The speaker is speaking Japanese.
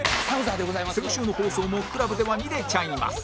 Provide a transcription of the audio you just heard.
先週の放送も ＣＬＵＢ では見れちゃいます